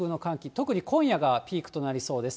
特に今夜がピークとなりそうです。